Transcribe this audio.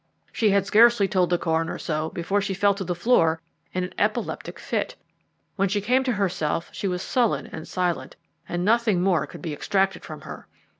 She had scarcely told the coroner so before she fell to the floor in an epileptic fit. When she came to herself she was sullen and silent, and nothing more could be extracted from her.